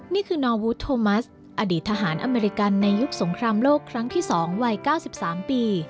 นี่คือนอวูดโทมัสอดีตทหารอเมริกันในยุคสงครามโลกครั้งที่๒วัย๙๓ปี